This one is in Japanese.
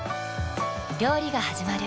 料理がはじまる。